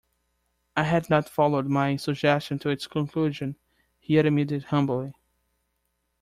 "I had not followed my suggestion to its conclusion," he admitted humbly.